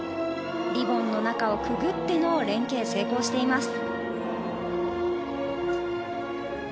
リボンの中をくぐっての連係成功しています。